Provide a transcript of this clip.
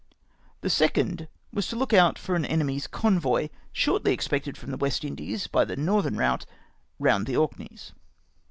The second was to look out for an enemy's convoy, shortly expected from the West Lidies by the northern route round the Orkneys.